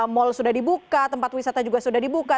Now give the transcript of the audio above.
mall sudah dibuka tempat wisata juga sudah dibuka